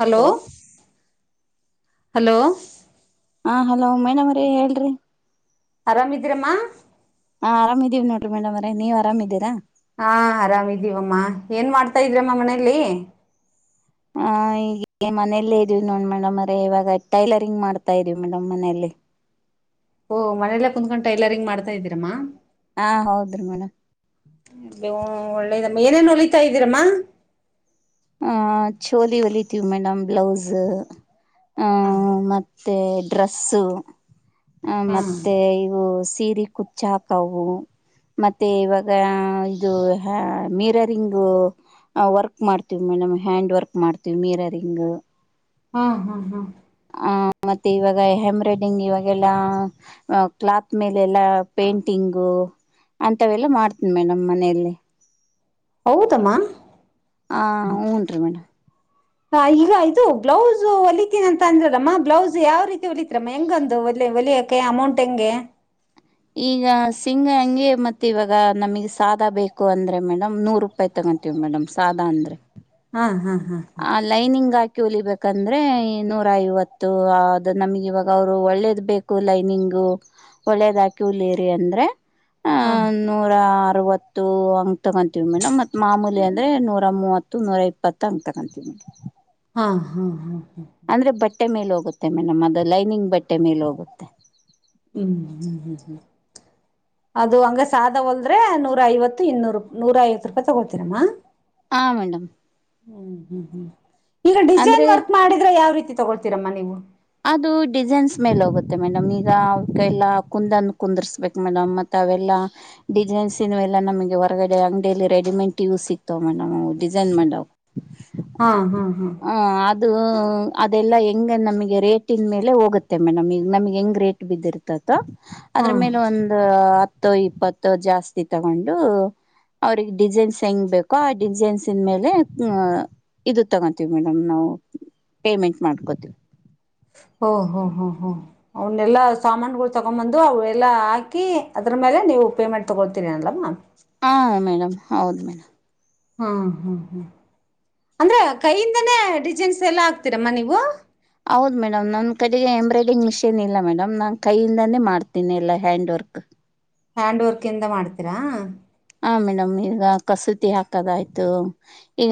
Hello hello ಹಾ hello ಮನ ಮ್ರ ಹೇಳ್ರಿ ಆರಾಮಿದೀರಮ್ಮ ಹಾ ಆರಾಮಿದೀವಿ ನೋಡ್ರಿ ಮೇಡಮ್ರೆ ನೀವರಾಮಿದ್ದೀರಾ ಹಾ ಆರಾಮಿದೀವಮ್ಮ ಏನ್ ಮಾಡ್ತಾ ಇದ್ರಮ್ಮ ಮನೇೆಯಲ್ಲಿ ಹ ಈಗ ಮನೆಯಲ್ಲೇ ಇದೀವಿ ನೋಡ್ ಮೇಡಮ್ ಅ್ರ ಇವಾಗ ಟೈಲರಿಂಗ್ ಮಾಡ್ತಾ ಇದೀವಿ ಮೇಡಮ್ ಮನೇೆಯಲ್ಲಿ ಓಹ ಮನೆಯಲ್ಲೇ ಕುತ್ಕೊಂಡು ಟೈಲರಿಂಗ್ ಮಾಡ್ತಾ ಇದ್ದೀರಮ್ಮಾ ಹಾ ಹೌದ್ರಿ ಮೇಡಮ ಒಳ್ಳೇದಮ್ಮ ಏನೇನ್ ಹೊಲಿತಾ ಇದ್ದೀರಮ್ಮ ಆ ಚೋಲಿ ಒಲಿತೀವಿ ಮೇಡಮ್ ಬ್ಲೌಸ್ ಹ್ಮ ಮತ್ತ ಡ್ರೆಸ್ಸ ಹಾ ಮತ್ತೆ ಇವು ಸೀರಿ ಕುಚ್ಚಾಕವು ಮತ್ತೆ ಇವಾಗ ಇದು ಮೀರರಿಂಗ್ ವರ್ಕ್ ಮಾಡ್ತ ಲೆ ಹ್ಯಾಂಡ್ ವರ್ಕ್ ಮಾಡ್ತೀವಿ ಮೀರರಿಂಗ್ ಹಾ ಹಾ ಹಾ ಆ ಮತ್ತೆ ಇವಾಗ ಹ್ಯಂಬ್ರೈಡಿಂಗ್ ಇವಾಗೆಲ್ಲ ಕ್ಲಾತ್ ಮೇಲೆ ಎಲ್ಲ ಪೇಂಟಿಂಗು ಅಂತವೆಲ್ಲ ಮಾಡ್ತೀನಿ ಮೇಡಮ್ ಮನೆಯಲ್ಲಿ ಹೌದಮ್ಮ ಹ ಹಊನ್ ರೀ ಮೇಡಮ್ ಹ ಈಗ ಇದು ಬ್ಲೌಸ್ ಹೊಲಿತೀನ ಅಂತ ಅಂದ್ರಮ್ಮ ಬ್ಲೌಸ್ ಯಾವ ರೀತಿ ಹೊಲತ್ರಮ್ಮ ಹೆಂಗೊಂದು ಒಲ ಒಳಿಯಕ ಅಮೌಂಟ್ ಎಂಗ ಈಗ ಸಿಂಗ ಹಂಗೆ ಮತ್ತ್ ಇವಾಗ ನಮಗ್ ಸಾದ ಬೇಕು ಅಂದ್ರೆ ಮೇಡಮ್ ನೂರು ರೂಪಾಯಿ ತ ಮಾಡ್ತೇವಿ ಮೇಡಮ್ ಸಾದಾ ಅಂದ್ರೆ [inaudible] ಹಾ ಹಾ ಹಾ ಆ ಲೈನಿಂಗ್ ಆಕಿ ಕ್ಯೂಲಿಬೇಕಂದ್ರೆ ನೂರ ಐವತ್ತು ಅದು ನಮ್ಗೆ ಇವಾಗ ಅವ್ರು ಒಳ್ಳೇದ ಬೇಕು ಲೈನಿಂಗ್ ಒಳ್ಳದ ಅಂದ್ರೆ ಹಾ ನೂರ ಅರವತ್ತು ಅಂಗ ತಗೊಂತೀವಿ ಮ ನಮ್ ಮತ್ ಮಾಮೂಲಿ ಅಂದ್ರೆ ನೂರ ಮೂವತ್ತು ನೂರ ಇಪ್ಪತ್ತು ಅಂಗ ತ ಹತ [inaudible] ಹಾ ಹಾ ಹಾ ಅಂದ್ರೆ ಬಟ್ಟೆ ಮೇಲೆ ಹೋಗುತ್ತೆ ಮೇಡಮ್ ಅದು ಲೈನಿಂಗ್ ಬಟ್ಟೆ ಮೇಲೆ ಹೋಗುತ್ತೆ ಹ್ಮ್ ಹ್ಮ್ ಹ್ಮ್ ಹ್ಮ್ ಅದು ಹಂಗ ಸಾದ ಹೊಲ್ದ್ರೆ ನೂರ ಐವತ್ತು ಇನ್ನೂರು ನೂರ ಐವತ್ತು ರೂಪಾಯಿ ತಗೊಳ್ತೀರಮ್ಮ ಹ ಮೇಡಮ್ ಹೂ ಹೂ ಹೂ ಈಗ ಅಂದರೆ ಡಿಸೈನ್ ವರ್ಕ್ ಮಾಡಿದ್ರೆ ಯಾವ ರೀತಿ ತಗೊಳ್ತೀರಮ್ಮ ನೀವು ಅದು ಡಿಸೈನ್ಸ್ ಮೇಲ್ ಹೋಗುತ್ತೆ ಮೇಡಮ್ ಈಗ ಅವಲ್ಲ ಕುಂದನ್ನು ಕುಂದರ್ಸ್ಬೇಕಕ್ ಮೇಡಮ್ ಮತ್ತ ಲ್ಲ ಡಿಸೈನ್ಲ್ಲ ನಮಗೆ ಹೊರಗಡೆಂಗಲಿ ರೆಡಿಮೆಂಟ್ ಯೂಸ್ ಸಿತ ಮೇ ೈ ಮಾಡ ಹಾ ಹಾ ಹಾ ಅದು ಅದೆಲ್ಲ ಹೆಂಗ್ ನಮಗೆ ರೇಟಿನ ಮೇಲೆ ಹೋಗುತ್ತೆ ಮೇಡಮ್ ಈಗ ನಮಗೆ ಹೆಂಗ್ ರೇಟ್ ಬಿದ್ದಿರ್ತ ಹಾ ಅದ್ರ ಮೇಲೆ ಒಂದು ಹತ್ತು ಇಪ್ಪತ್ತು ಜಾಸ್ತಿ ತಗೊಂಡು ಅವ್ರಗ್ ಡಿಸೈನ್ಸ್ ಹೆಂಗ್ ಬೇಕೋ ಆ ಡಿಸೈನ್ಸ್ನ್ ಮೇಲೆ ಇದು ತಗೋಂತೀವಿ ಮೇಡಮ್ ನಾವು ಪೇಮೆಂಟ್ ಮಾಡ್ಕೋತವಿ ಓಹ್ ಹೊ್ ಹ್ ಹ್ ಅವನ್ನೆಲ್ಲಾ ಸಾಮಾನುಗಳು ತಗೊಂಡ್ ಬಂದು ಅವೆಲ್ಲಾ ಹಾಕಿ ಅದ್ರ ಮೇಲೆ ನೀ ಪೇಮೆಂಟ್ ತಗೊಳ್ತೀರಿ ಅಲ್ವಾ ಹಾ ಮೇಡಮ್ ಹೌದು ಮೇಡಮ್ ಹಾ ಹಾ ಹಾ ಅಂದ್ರೆ ಕೈಯಿಂದನೇ ಡಿಸೈನ್ಸ್ ಎಲ್ಲ ಆಾಕ್ತೀರಮ್ಮ ನೀವು ಹೌದ್ ಮೇಡಮ್ ನನ್ ಕಡೆಗೆ ಎಂಬ್ರಾಯ್ಡಡಿಂಗ್ ಮಿಷಿನ್ ಇಲ್ಲ ಮೇಡಮ್ ನಾನ್ ಕೈಯಿಂದಾನೇ ಮಾಡ್ತೀನಿ ಎಲ್ಲ ಹ್ಯಾಂಡ್ ವರ್ಕ್ ಹಾ ಹ್ಯಾಂಡ್ ವರ್ಕ್ ಇಂದ ಮಾಡ್ತೀರಾ ಹ ಮೇಡಮ್ ಈಗ ಕಸೂತಿ ಹಾಕದಯ್ತು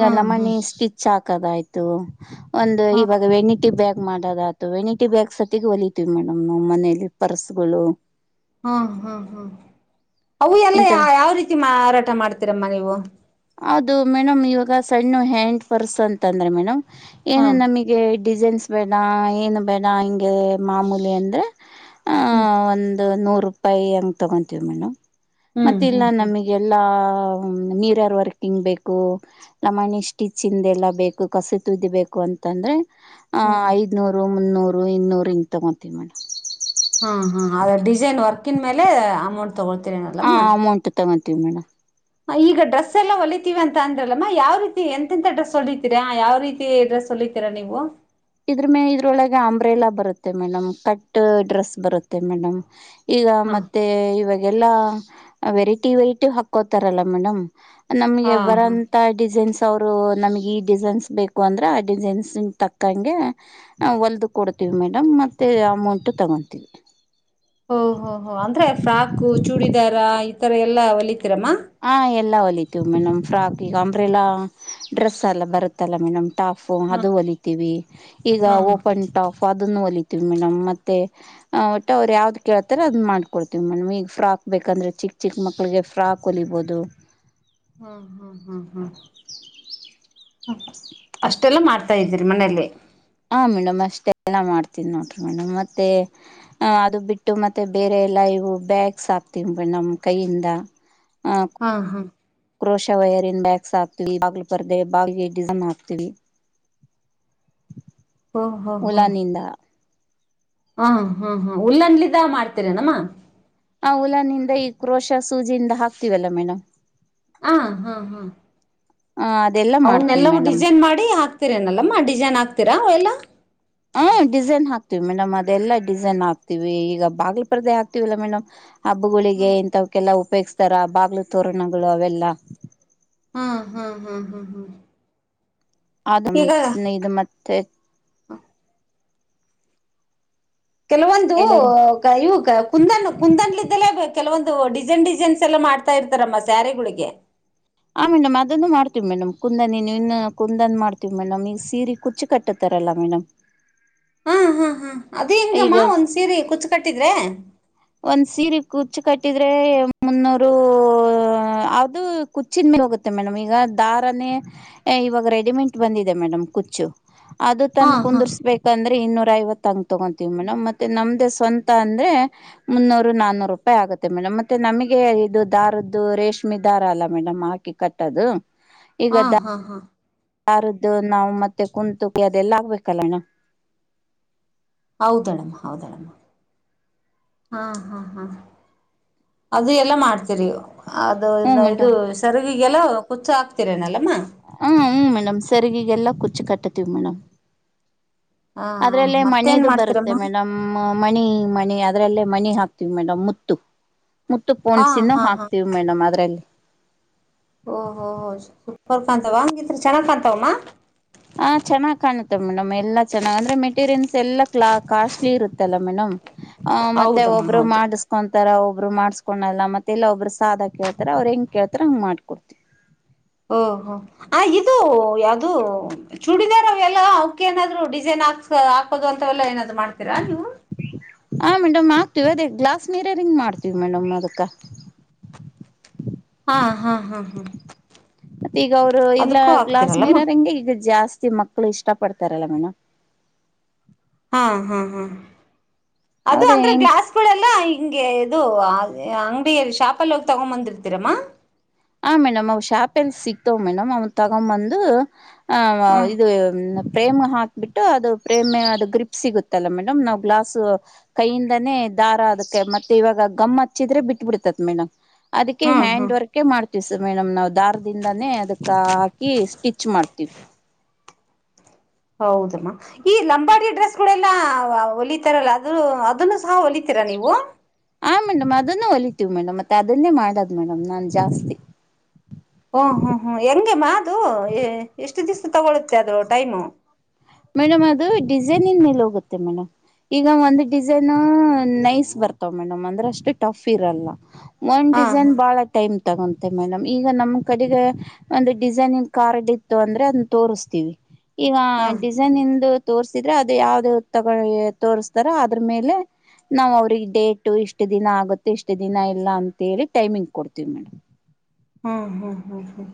ಹಾ ಹಾ ಸ್ಟಿಚ್ ಹಾಕ ಾಯ್ತು ಒಂದು ಹಾ ಇವಾಗ ವೆಣ್ಣಿಟಿ ಬ್ಯಾಗ್ ಮಾಡ ಆತ ವೆಣಿಟಿ ಬ್ಯಾಗ್ಸ್ ಸತ್ತ ಹೊಲಿತೀವಿ ಮೇಡಮ್ ನ್ ಮನಲಿ ಪರ್ಸ್ ಗಳು ಹ ಹಾ ಹಾ ಅವು ಎಲ್ಲ ಇಂತ ಯಾವ ರೀತಿ ಮಾರಾಟ ಮಾಡ್ತೀರಮ್ಮ ನೀವು ಹೌದು ಮೇಡಮ್ ಇವಾಗ ಸಣ್ಣ ಹ್ಯಾಂಡ್ ಪರ್ಸ್ ಅಂತಂದ್ರೆ ಮೇಡಮ್ ಹಾ ಏನು ನಮಗೆ ಡಿಸೈನ್ಸ್ ಬೇಡ ಏನು ಬೇಡ ಹಿಂಗೆ ಮಾಮೂಲಿ ಅಂದ್ರೆ ಆ ಹ್ಮ್ ಒಂದು ನೂರು ರೂಪಾಯಿ ಹಂಗೆ ತೊಗೊಂತೀವಿ ಮೇಡಮ್ ಹ್ಮ್ ಮತ್ತೆ ಇಲ್ಲ ಹ್ಮ್ ಹ್ಮ್ ನಮಗೆ ಎಲ್ಲಾ ನೀರಾರ ಮರ್ಕಿಂಗ್ ಬೇಕು ಲಮಣಿ ಸ್ಟಿಚ್ಂದ ಎಲ್ಲಾ ಬೇಕು ಕಸ ತುದಿ ಬೇಕು ಅಂತಂದ್ರೆ ಆ ಹ್ಮ್ ಐದನೂರು ಮುನ್ನೂರು ಇನ್ನೂರು ಹಿಂಗ ತಗೋತೀವಿ ಮೇಡಮ್ ಹಾ ಹಾ ಅದ ಡಿಸೈನ್ ವರ್ಕನ್ ಮೇಲೆ ಅಮೌಂಟ್ ತಗೊಳ್ತೀರನಲ್ಲಮ್ಮ ಮೇಡಂ ಈಗ ಡ್ರೆಸ್ ಎಲ್ಲ ಹೊಲಿತೀವಿ ಅಂತ ಅಂದ್ರಲ್ಲಮ್ಮ ಯಾವ ರೀತಿ ಎಂತೆಂತ ಡ್ರೆಸ್ ಹೊಲಿತೀರಾ ಯಾವ ರೀತಿ ಸಲಿತೀರಾ ನೀವು ಇದ್ರ ಮೇ ಇದ್ರೊಳಗೆ ಅಂಬ್ರೆಲಾ ಬರುತ್ತೆ ಮೇಡಮ್ ಕಟ್ ಡ್ರೆಸ್ ಬರುತ್ತೆ ಮೇಡಮ್ ಈಗ ಹಾ ಮತ್ತೆ ಇವಾಗೆಲ್ಲಾ ವೆರೈಟಿ ವೆರೈಟಿ ಹಾಕೋತಾರಲ್ಲ ಮೇಡಮ್ ನಮ್ಗೆ ಹಾ ಹಾ ಬರಂತ ಡಿಸೈನ್ಸ್ ಅವ್ರು ನಮ್ಗೆ ಈ ಡಿಸೈನ್ಸ್ ಬೇಕು ಅಂದ್ರೆ ಆ ಡಿಸೈನ್ಸ್ ತಕ್ ಂಗೆ ಹೊಲದು ಕೊಡ್ತೀವಿ ಮೇಡಮ್ ಮತ್ತೆ ಅಮೌಂಟ್ ತಗೊಂತೀವಿ ಓ ಹೋ ಹೋ ರ ಎಲ್ಲ ಅವಲಿ ಹ ಎಲ್ಲ ಹೊಲಿತವಿ ಮೇಡಮ್ ಫ್ರಾಕ್ ಈಗ ಅಂಬ್ರೇಲಾ ಡ್ರೆಸ್ ಎಲ್ಲ ಬರುತ್ತಲ್ಲ ಮೇಡಮ್ ಟಾಫು ಹಾ ಅದು ಒಲಿತೀವಿ ಈಗ ಹಾ ಓಪನ್ ಟಾಫ್ ಅ ಹೊಲಿತೀವಿ ಮೇಡಮ್ ಮತ್ತೆ ಒಟ್ಟು ಅವ್ರು ಯಾವ್ದ್ ಕೇಳ್ತಾರೆ ಅದನ್ನ ಮಾಡ್ಕೊಡ್ತವಿ ಮೇಡಮ್ ಈಗ ಫಾಕ್ ಬೇಕ ಯಾಕಂದ್ರೆ ಚಿಕ್ಕ ಚಿಕ್ಕ ಮಕ್ಳಿಗೆ ಫ್ರಾಕ್ ಹೊಲಿಬೋುದು ಹ ಹ ಹ ಹಾ ಅಷ್ಟೆಲ್ಲ ಮಾಡ್ತಾ ಇದ್ದೀರಿ ಮನೇೆಯಲ್ಲಿ ಹಾ ಮೇಡಮ್ ಅಷ್ಟೆಲ್ಲ ಮಾಡ್ತಿ ನೋಡ್ರಿ ಮೇಡಮ್ ಮತ್ತೆ ಅದು ಬಿಟ್ಟು ಮತ್ತೆ ಬೇರೆ ಎಲ್ಲ ಇ ಬ್ಯಾಗ್ ಸಾಕ್ತಿಂಬ ನಮ್ಮ ಕೈಯಿಂದ ಹಾ ಹಾ ಕ್ರೋಶ ವೈರಿ ಇನ್ ಬ್ಯಾಗ್ಸ್ ಹಾಕ್ತವಿ ಬಾಗಿಲು ಪರ್ದೆ ಬಾಗ್ಲಿಗೆ ಡಿಸೈನ್ ಹಾಕ್ತಿೀವಿ ಹ ಹ ಹ ಹಾ ಉಲಾನಿಂದ ಹ ಹಾ ಹಾ್ ಉಲ್ಲನ್ಲಿದ ಮಾಡ್ತೀರನಮ್ಮ ನಾವುುಲನಿಂದ ಈ ಕ್ರೋಶ ಸೂಜಿಯಿಂದ ಹಾಕ್ತೀವಲ್ಲ ಮೇಡಮ್ ಹ ಹಾ ಹಾ ಆ ಅದೆಲ್ಲಾ ಮಾಡ್ತೀನಿ ಅವನ್ನನ್ನೆಲ್ಲವೂ ಮೇಡಮ್ ಡಿಸೈನ್ ಮಾಡಿ ಹಾಕ್ ಹಾಕ್ತಿರೆನಲ್ಲೆಮ್ಮ ಡಿಸೈನ್ ಹಾಕ್ತೀರ ಅವೆಲ್ಲ ಹಾಕ್ತೀವಿ ಮೇಡಮ್ ಅದೆಲ್ಲಾ ಡಿಸೈನ್ ಹಾಕ್ತೀವಿ ಈಗ ಬಾಗಿಲ ಪರ್ದೆ ಹಾಕತಿವಿಲ್ಲ ಮೇಡಮ್ ಹಬ್ಬೊಗೋಳಿಗೆ ಇಂತವ್. ಕೆಲ್ಲಾ ಉಪೆಗ್ಸ್ತರ ಬಾಗ್ಲು ತೋರಣಗಳ ಅವೆಲ್ಲಾ. ಹ್ಮ ಹಾ ಹಾ್ ಹಾ ಹಾ ಆದಮ ಇದು ಮತ್ತೆ ಹಾ ಕೆಲವೊಂದು ಟೈಲರಿಂಗ್ ಕ ಇವುಕ ಕುಂದನ್ನು ಕುಂದನ್ಲಿದ್ದಲೇ ಬ ಕೆಲವೊಂದು ಡಿಸೈನ್ ಡಿಸೈನ್ಸ್ ಎಲ್ಲ ಮಾಡ್ತಾ ಇರ್ತಾರಮ್ಮ ಸ್ಯಾರಿಗುಳಿಗೆ. ಹ ಮೇಡಮ್ ಅದನ್ನು ಮಾಡ್ತೀವ ಮೇಡಮ್ ಕುಂದನಿ ನೀ ಇನ್ ಕುಂದನ್ ಮಾಡ್ತಿವ ಮೇಡಮ್ ಈಗ ಸೀರಿ ಕುಚ್ಚ ಕಟ್ಟತ್ತ. ರಲ್ಲ ಮೇಡಮ್. ಹಾ ಹಾ ಹಾ ಅದು ಹೆಂಗಮ್ಮ ಈಗ ಒಂದ್ ಸೀರಿ ಕುಚ್ಚ ಕಟ್ಟಿದ್ರೆ. ಒಂದ್ ಸೀರಿ ಕುಚ್ಚಿ ಕಟ್ಟಿದ್ರೆ ಮುನ್ನೂರು ಅದು ಕುಚ್ಚಿನ ಮೇಲ ಹೋಗುತ್ತ. ಮೇಡಮ್ ಈಗ ದಾರಾನೆ ಇವಾಗ ರೆಡಿಮೆಂಟ್ ಬಂದಿದೆ ಮೇಡಮ್ ಕುಚ್ಚು. ಅದು ಹಾ ತಂದ ಹಾ ಕುಂದರ್ಸ್ಬೇಕಂದ್ರ. ಇನ್ನೂರ ಐವತ್ತಂಗ ತಗೋಂತೀವಿ ಮೇಡಮ್ ಮತ್ತೆ ನಮ್ದೇ ಸ್ವಂತ ಅಂದ್ರೆ ಮುನ್ನೂರು ನಾನೂರು ರೂಪಾಯಿ ಆಗುತ್ತೆ ಮೇಡಮ್ ಮತ್ತೆ ನಮಗೆ ಇದು ದಾರದ್ದು ರೇಷ್ಮೆ ದಾರ ಅಲ್ಲಾ ಮೇಡಮ್ ಕಿ ಕಟ್ಟದು ಈಗ ಹಾ ಹಾ ಹಾ ದಾರದ್ದು ನಾವು ಮತ್ತೆ ಕುಂತುಕಿ ಅದೆಲ್ಲ ಆಗ್ಬೇಕಲ್ಲ ಹಿನಾ. ಹೌದಳಮ್ಮ ಹೌದೆಳಮ್ಮ. ಹಾ ಹಾ ಹಾ ಅದು ಎಲ್ಲ ಮಾಡ್ತೀರಿ. ಅದು ಇದ ಹ್ಮ್ ಇದು ಮೇಡಮ್ ಸೆರಗಿಗೆಲ್ಲ ಕುಚ್ಚು ಹಾಕ್ತಿರೆನಲ್ಲ ಮೇ ಹ್ಮ ಹ್ಮ್ ಮೇಡಮ್ ಸೆರಿಗಿಗೆಲ್ಲ ಕುಚ್ಚ ಕಟ್ಟತೀವಿ ಮೇಡಮ್. ಹಾ ಅದ್ರಲ್ಲೇ ಮತ್ತೇನ್ ಮಣಿದು ಬರುತ್ತೆ ಮಾಡ್ತೀರಮ್ಮ ಮೇಡಮ್ ಮ್ ಮಣಿ. ಮಣಿ ಅದ್ರಲ್ಲೇ ಮಣಿ ಹಾಕ್ತೀವಿ ಮೇಡಮ್ ಮುತ್ತು. ಮುತ್ತು ಹಾ ಪೋಣ್ಸಿನ ಹಾ ಹಾ ಹಾಕ್ತಿವಿ ಮೇಡಮ್ ಅದರಲ್ಲಿ. ಓಹೋ ಸೂಪರ್ ಕಾಂತವ್ ಹಂಗಿದ್ರ ಚೆನ್ನಾಗ್ ಕಾಂತವಮ್ಮ. ಹ ಚೆನ್ನಾಗ ಕಾಣುತ್ತ ಮೇಡಮ್ ಎಲ್ಲಾ ಚೆನ್ನಾಗ್ ಅಂದ್ರೆ ಮೆಟೀರಿಯಲ್ಸ್ ಎಲ್ಲಾ ಕ್ಲಾ ಕಾಸ್ಲಿ ಇರತ್ತಲ್ಲಾ ಮೇಡಮ್ ಹ ಮತ್ತೆ ಹೌದಮ್ಮ ಒಬ್ರು ಹೌದು ಮಾಡಸಕೊಂತ ತರ ಒಬ್ರು ಮಾಡ್ಸ್ಕೊಂಡಲ್ಲ ಮತ್ತೆ ಇಲ್ಲಾ ಒಬ್ರು ಸಾದ ಕೇಳ್ತಾರ ಅವ್ರು ಹೆಂಗ್ ಕೇಳ್ತಾರ ಹಂಗ್ ಮಾಡ್ಕೊಡ್ತಿವಿ. ಓ ಹೋ ಆ ಇದು ಯಾವ್ದು ಚೂಡಿದಾರ್ ಅವೆಲ್ಲ ಅವ್ಕೆ ಏನಾದ್ರು ಡಿಸೈನ್ [unintelligible] ಹಾಕೋದು ಅಂತವೆಲ್ಲ ಏನಾದ್ರ ಮಾಡ್ತೀರಾ ನೀವು. ಹಾ ಮೇಡಮ್ ಹಾಕ್ತೀವಿ ಅದೇ ಗ್ಲಾಸ್ ಮೀರೆರಿಂಗ್ ಮಾಡ್ತೀವಿ ಮೇಡಮ್ ಅದಕ್ಕ. ಹಾ ಹಾ ಹಾ ಹಾ ಮತ್ತೆ ಈಗ ಅವ್ರು ಇಲ್ಲ ಅದಕ್ಕೂ ಗ್ಲಾಸ್ ಆಗ್ತಿರಲ್ಲಮ್ಮ ಮೀರರಿಂಗೆ ಈಗ ಜಾಸ್ತ ತಿ ಮಕ್ಳು ಇಷ್ಟ ಪಡ್ತಾರಲ್ಲ ಮೆನು [unintelligible] ಹಾ ಹಾ ಹಾ ಅದು ಅವ್ರ ಅಂದ್ರೆ ಹೆಂಗ್ ಗ್ಲಾಸ್ಗೋಳೆಲ್ಲ ಹಿಂಗೆ ಇದು. ವಾವೆ ಏ ಅಂಗಡಿಯಲ್ಲಿ ಶಾಪಲ್ಲ ಹೋಗ್ ತೋಗೊಂಡ್ ಬಂದಿರ್ತೀರಮ್ಮ. ಆ ಮೇಡಮ್ ಅವು ಶಾಪ್ ಎಲ್ ಸಿಗ್ತಾವ್ ಮೇಡಮ್ ಅವನ್ ತಗೊಂಬಂದ. ಹ ವ ಹ್ಮ್ ಇದು ಫ್ರೇಮ್ ಹಾಕ್ಬಿಟ್ಟು ಅದು ಪ್ರೇಮ್ ಅದು ಗ್ರಿಪ್ ಸಿಗುತ್ತಲ್ಲ ಮೇಡಮ್ ನಾವು ಗ್ಲಾಸ್ ಕೈಯಿಂದಾನೇ. ದಾರ ಅದಕ್ಕೆ ಮತ್ತೆ ಇವಾಗ ಗಮ್ಮ ಹಚ್ಚಿದ್ರೆ ಬಿಟ್ ಬಿಟ್ಬುಡ್ತಾತ್ ಮೇಡಮ್ ಅದೀಕ್ಕೆ ಹ್ಮ್ ಹ್ಯಾಂಡ್ ಹ್ಮ್ ವರ್ಕ್. ಮಾಡ್ತೀವಿ ಸ್ ಮೇಡಮ್ ನಾವ್ ದಾರದಿಂದಾನೇ ಅದಕ್ಕ ಹಾಕಿ ಸ್ಟಿಚ್ ಮಾಡ್ತೀವಿ. ಹೌದಮ್ಮ ಈ ಲಂಬಾಡಿ ಡ್ರೆಸ್ ಗೊಳೆಲ್ಲ ಹೊಲಿತಾರಲ್ಲ ಅ ಅದುನ್ನು ಸಹ ಹೋಲಿತಿ. ತಿರಾ ನೀವು. ಹ ಮೇಡಮ್ ಅದುನ್ನು ಹೊಲಿತೀವಿ ಮೇಡಮ್ ಮತ್ತ ಅದನ್ನೇ ಮಾಡದು ಮೇಡಮ್ ನಾನ್ ಜಾಸ್ತಿ. ಓ ಹ್ಮ್ ಹ್ಮ್ ಹ್ಮ್ ಹೆಂಗೆ ಮಾ ಅದು ಎಷ್ಟ ದಿವ್ಸ ತಗೊಳ್ಳುತ್ತೆ ಅದು ಟೈಮು. ಮೇಡಮ್ ಅದು ಡಿಸೈನೀನ್ ಮೇಲ ಹೋಗುತ್ತೆ ಮೇಡಮ್. ಈಗ ಒಂದ್ ಡಿಸೈನ್ ನೈಸ್ ಬರ್ತವ ಮೇಡಮ್ ಅಂದ್ರ ಅಷ್ಟ ಟಫ್ ಇರಲ್ಲ. ಒನ್ ಹಾ ಡಿಸೈನ್ ಹಾ ಬಾಳ ಟೈಮ್. ತಗೊಂತೆೆ ಮೇಡಮ್ ಈಗ ನಮ್ ಕಡೆಗೆ ಒಂದು ಡಿಸೈನಂಗ್ ಕಾರ್ಡ್ ಇತ್ತು ಅಂದ್ರೆ ಅದನ್ನ ತೋರಿಸ್ತೀವಿ. ಈಗ. ಹಾ ನಿಂದು ತೋರ್ಸಿದ್ರೆ ಅದು ಯಾವದೇ ತೋರ್ಸ್ತಾರ ಅದ್ರ ಮೇಲೆ. ನಾವ್ ಅವ್ರಿಗೆ ಡೇಟು ಇಷ್ಟು ದಿನ ಆಗುತ್ತೆ ಎಷ್ಟು ದಿನ ಇಲ್ಲ ಅಂತೇಳಿ ಟೈಮಿಂಗ್ ಕೊಡ್ತೀವಿ ಮೇಡಮ್. ಹ್ಮ್ ಹ್ಮ್ ಹ್ಮ್ ಹ್ಮ್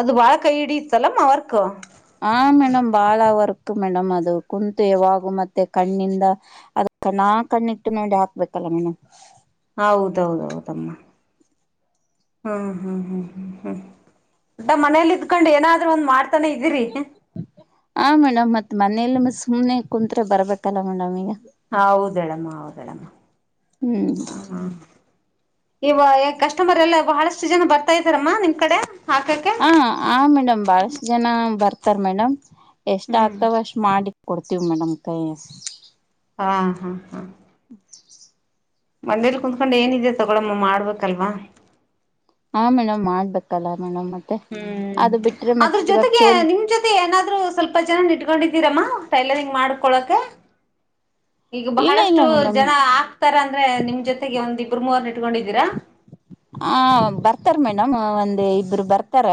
ಅದು ಬಾಳ ಕೈ ಹಿಡತ್ತಲ್ಲಮ್ಮ ವರ್ಕ. ಹ ಮೇಡಮ್ ಬಾಳ ವರ್ಕ್ ಮೇಡಮ್ ಅದು ಕುಂತು ಯಾವಾಗು ಮತ್ತೆ ಕಣ್ಣಿಂದ ಅದ. ಕಣ ಕಣ್ಣಿಟ್ಟು ನೋಡಿ ಹಾಕ್ಬೇಕಲ್ಲ ನೀವ. ಹೌದೌದ ಹೌದಮ್ಮ. ಹ್ಮ್ ಹ್ಮ್ ಹ್ಮ್ ಹ್ಮ್ ಹ್ಮ ಓಟ ಮನೇಲಿ ಇದ್ಕೊಂಡ್ ಏನ. ಆ ಮೇಡಮ್ ಮತ್ತೆ. ಮನೇಲಿ ಸುಮ್ನೆ ಕುತ್ರೆ ಬರ್ಬೇಕಲ್ಲ ಮೇಡಮ್ ಈಗ. ಹ ಹೌದಳಮ್ಮ ಹೌದಳಮ್ಮ. ಹ್ಮ್. ಹ ಹಾ ಇವ ಕಸ್ಟಮರ್ ಎಲ್ಲ ಬಹಳಷ್ಟು ಜನ ಬರ್ತಾ ಇದ್ದಾರಮ್ಮ ನಿಮ್ ಕಡೆ. ಹಾಕಕ್ಕೆ ಹ ಆ ಮೇಡಮ್ ಬಾಳಷ್ಟ ಜನ ಬರ್ತಾರ ಮೇಡಮ್ ಎಷ್ಟ ಹ್ಮ್ ಆಗ್ತವ ಅಷ್ಟ್ ಮಾಡಿ. ಕೊಡ್ತೀವಿ ಮೇಡಮ್ ಕೈ. ಹಾ ಹಾ ಹಾ. ಮನೇಲಿ ಕುತ್ಕೊಂಡು ಏನಿದೆ ತಗೊಳಮ್ಮ ಮಾಡ್ಬೇಕಲ್ವಾ. ಹ ಮೇಡಮ್ ಮಾಡ್ಬೇಕಲ್ಲ. ಮೇಡಮ್ ಮತ್ತೆ ಹ್ಮ್ ಅದು ಬಿಟ್ರೆ ಮತ್ತೆ ಅದ್ರ ಇವಾಗ ಜೊತೆಗೆ ಚೋಲಿ ನಿಮ್ ಜೊತೆ ಏನಾದ್ರರು ಸ್ವಲ್ಪ ಜನ ಇಟ್ಕೊಂಡಿದ. ಇದಿರಮ್ಮ ಟೈಲರಿಂಗ್ ಮಾಡ್ಕೊಳಕ. ಈಗ ಇಲ್ಲ ಬಹಳಷ್ಟು ಇಲ್ಲ ಮೇಡಮ್ ಜನ ಆಗ್ತಾರ ಅಂದ್ರೆ ನಿಮ್ ಜೊತೆಗೆ ಒಂದ್ ಇಬರು ಮೂವರ್ನ ಇಟ್ಕೊಂಡಿದ್ದೀರಾ. ಹ ಬರ್ತಾರ ಮೇಡಮ್ ಒಂದ್ ಇಬ್ರು ಬರ್ತಾರ.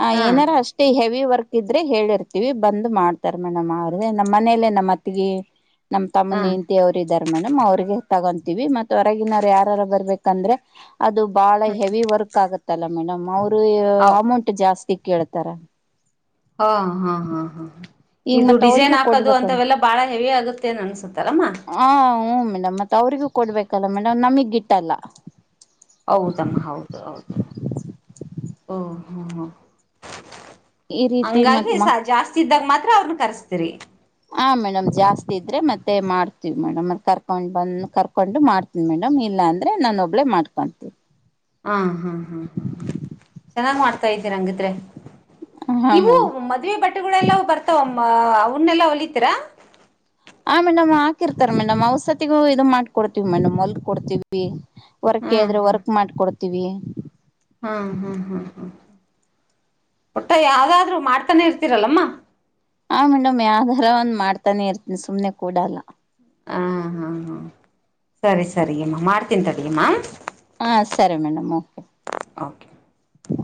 ಹ ಹಾ ಏನಾರ ಅಷ್ಟೇ ಹೆವಿ ವರ್ಕ್. ಇದ್ರೆ ಹೇಳಿರ್ತೀವಿ ಬಂದ್ ಮಾಡ್ತಾರ ಮೇಡಮ್ ಅವ್ರ ನಮ್ಮ ಮನೇಲೆೇ ನಮ್ಮ ಅತ್ತಗಿ. ನಮ್ಮ್ ಹಾ ತಮ್ಮನ ಹೆಂಡತಿ ಅವ್ರು ಇದ್ದಾರೆ. ಮೇಡಮ್ ಅವ್ರಿಗೆ ತಗೊಂತೀವಿ ಮತ್ತ ಹೊರಗಿನವ್ರು ಯಾರಾರು ಬರ್ಬೇಕಂದ್ರೆ. ಅದು ಬಾಳ ಹಾ ಹೆವಿ ವರ್ಕ್ ಆಗುತ್ತಲ್ಲ ಮೇಡಮ್ ಅವರು ಹಾ ಅಮೌಂಟ್ ಜಾಸ್ತಿ. ಕೇಳ್ತಾರ. ಹಾ ಹಾ ಹಾ ಹಾ. ಈಗ ಇದು ಮತ್ ಡಿಸೈನ್ ಅವ್ರಿಗೂ ಹಾಕದು ಕೊಡ್ಬೇಕಲ್ ಅಂತವೆಲ್ಲಾ ಬಾಳ ಹೆವಿ ಆಗುತ್ತೆ ಅನ್ಸುತೇನಮ್ಮ. ಹ ಹ್ಮ ಮೇಡಮ್ ಮತ್ತ ಅವ್ರಿಗೂ ಕೊಡ್ಬೇಕಲ್ಲ ಮೇಡಮ್ ನಮಿಗ್ ಗಿಟ್ಟಲ್ಲ. ಹೌದಮ್ಮ ಹೌದು ಹೌದು ಓ ಹ್ಮ ಹ್ಮ. ಈ ರೀತಿ ಹಂಗಾಗಿ ಮತ್ ಮ ಜಾಸ್ತಿ ಇದ್ದಾಗ ಮಾತ್ರ ಅವ್ರನ ಕರ್ಸ್ತರಿ. ಹಾಂ ಮೇಡಮ್ ಜಾಸ್ತಿ ಇದ್ದರೆ ಮತ್ತೆ ಮಾಡ್ತೀವಿ ಮೇಡಮ್ ಕರ್ಕೊಂಡು ಬಂದು ಕರ್ಕೊಂಡು ಮಾಡ್ತೀನಿ ಮೇಡಮ್ ಇಲ್ಲ. ಇಲ್ಲ ಅಂದ್ರೆ ನಾನ ಒಬ್ಬಳೇ ಮಾಡ್ಕೊಂತೀನಿ. ಹಾ ಹಾ ಹ್ಮ್ ಹ್ಮ್ ಹ್ಮ್ ಚೆನ್ನಾಗ್ ಮಾಡ್ತಾ ಇದ್ದೀರಿ ಅಂಗಿದ್ರೆ. ಹಾ ಇವು ಮೇಡಮ್ ಮದ್ವೆ ಬಟ್ಟೆಗಳೆಲ್ಲ ಬರ್ತಾವ ಅವನ್ನೆಲ್ಲ ಹೊಲಿತೀರಾ. ಆ ಮೇಡಮ್ ಹಾಕಿರ್ತಾರ್ ಮೇಡಮ್ ಔಸತಿಗೂ ಇದದು ಮಾಡ್ಕೊಡ್ತಿವಿ ಮೇಡಮ್ ಹೊಲೆದು ಕೊಡ್ತತಿವಿ. ವರ್ಕ್ ಹೇಳ್ರೆ ವರ್ಕ್ ಮಾಡಕೊಡ್ತೀವಿ. ಹಾ ಹಾ ಹಾ ಹಾ ಪುಟ್ಟ ಯಾವ್ದಾದ್ರರು ಮಾಡ್ತಾನೆ ಇರ್ತೀರಲ್ಲಮ್ಮ ಹ ಮೇಡಮ್ ಯಾವಧಾರ ಒಂದ್ ಮಾಡ್ತಾನೆ ಇರ್ತೀನಿ ಸುಮ್ನೆ ಕೂಡ ಅಲ್ಲ ಹ ಹಾ ಹಾ ಸರಿ ಸರಿಯಮ್ಮ ಮಾಡ್ತೀನ್ ತಡಿಯಮ್ಮ ಹಾ ಸರಿ ಮೇಡಮ್ ಓಕೆ ಓಕೆ ಹ